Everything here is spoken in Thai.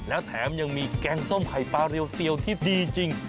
แล้วแถมยังมีแกงส้มไข่ปลาเรียวเซียวที่ดีจริง